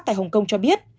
tại hồng kông cho biết